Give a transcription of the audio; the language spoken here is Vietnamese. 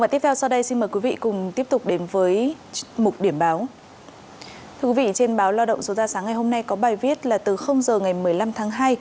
thưa quý vị trên báo lao động số ra sáng ngày hôm nay có bài viết là từ h ngày một mươi năm tháng hai